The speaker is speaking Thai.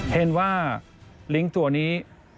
เห็นว่าลิงก์ตัวนี้